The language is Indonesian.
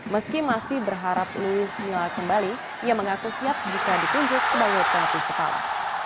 meski masih berharap luis mila kembali ia mengaku siap jika ditunjuk sebagai pelatih kepala